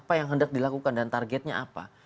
apa yang hendak dilakukan dan targetnya apa